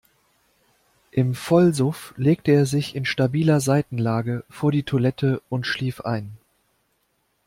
Im Vollsuff legte er sich in stabiler Seitenlage vor die Toilette und schlief ein.